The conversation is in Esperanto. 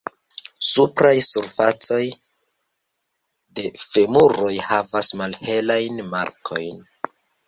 Supraj surfacoj de femuroj havas malhelajn markojn.